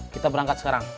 kita berangkat sekarang